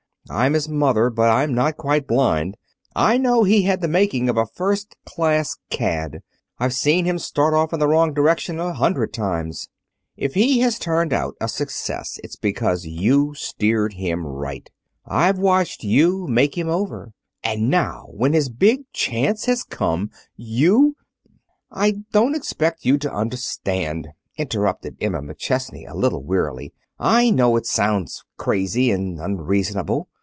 I'm his mother, but I'm not quite blind. I know he had the making of a first class cad. I've seen him start off in the wrong direction a hundred times." "If he has turned out a success, it's because you've steered him right. I've watched you make him over. And now, when his big chance has come, you " "I don't expect you to understand," interrupted Emma McChesney a little wearily. "I know it sounds crazy and unreasonable.